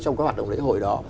trong các hoạt động lễ hội đó